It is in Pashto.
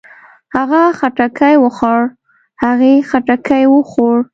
هغۀ خټکی وخوړ. هغې خټکی وخوړ.